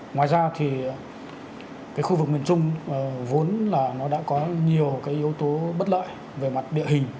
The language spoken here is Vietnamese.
ngoài ra thì cái khu vực miền trung vốn là nó đã có nhiều cái yếu tố bất lợi về mặt địa hình